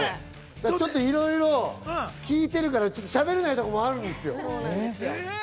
いろいろ聞いてるから、しゃべれないところとかあるんですよ。